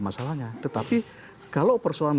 masalahnya tetapi kalau persoalan